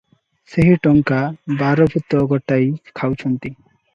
ସେହି ଟଙ୍କା ବାର ଭୂତ ଗୋଟାଇ ଖାଉଅଛନ୍ତି ।